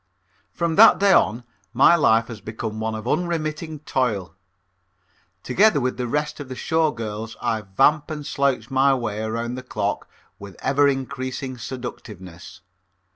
From that day on my life has become one of unremitting toil. Together with the rest of the Show Girls I vamp and slouch my way around the clock with ever increasing seductiveness.